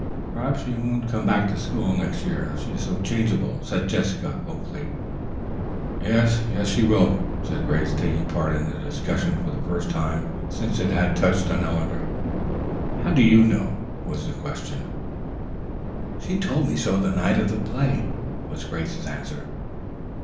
"Perhaps she won't come back to school next year, she is so changeable," said Jessica hopefully. "Yes, she will," said Grace, taking part in the discussion for the first time since it had touched on Eleanor. "How do you know?" was the question. "She told me so the night of the play," was Grace's answer.